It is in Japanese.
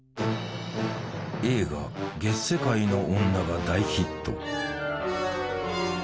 映画「月世界の女」が大ヒット。